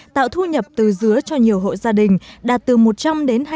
tạo thu nhập từ dứa cho nhiều hội gia đình đạt từ một trăm linh đến hai trăm linh triệu đồng trên một năm